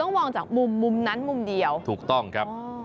มองจากมุมมุมนั้นมุมเดียวถูกต้องครับ